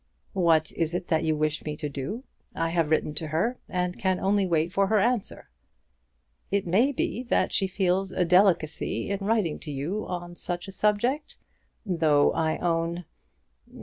"What is it that you wish me to do? I have written to her, and can only wait for her answer." "It may be that she feels a delicacy in writing to you on such a subject; though I own